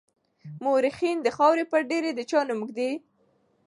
مورخين د خاورو پر ډېري د چا نوم ږدي.